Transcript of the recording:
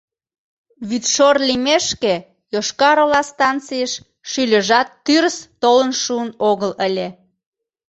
Вӱдшор лиймешке, Йошкар-Ола станцийыш шӱльыжат тӱрыс толын шуын огыл ыле.